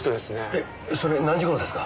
えっそれ何時頃ですか？